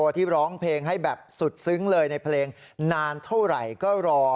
ที่ร้องเพลงให้แบบสุดซึ้งเลยในเพลงนานเท่าไหร่ก็รอ